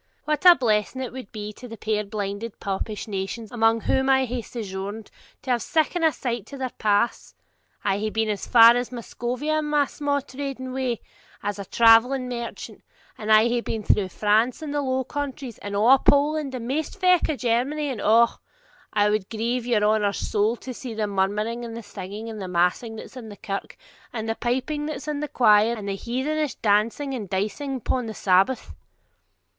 'What a blessing it would be to the puir blinded popish nations among whom I hae sojourned, to have siccan a light to their paths! I hae been as far as Muscovia in my sma' trading way, as a travelling merchant, and I hae been through France, and the Low Countries, and a' Poland, and maist feck o' Germany, and O! it would grieve your honour's soul to see the murmuring and the singing and massing that's in the kirk, and the piping that's in the quire, and the heathenish dancing and dicing upon the Sabbath!'